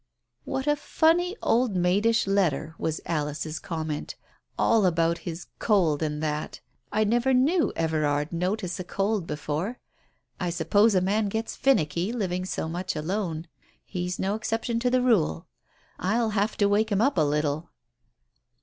"What a funny old maidish letter," was Alice's com ment; "all about his cold and that! I never knew Everard notice a cold before? I suppose a man gets finnicky, living so much alone. He's no exception to the rule. I'll have to wake him up a little.